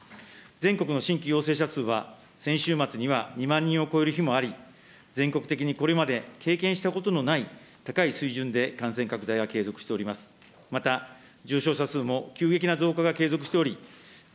全国の新規陽性者数は、先週末には２万人を超える日もあり、全国的にこれまで経験したことのない高い水準で感染拡大が継続しております。